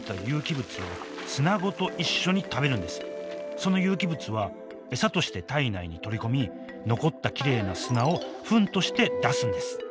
その有機物は餌として体内に取り込み残ったきれいな砂をフンとして出すんです。